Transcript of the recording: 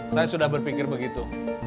saya sudah berpikir begitu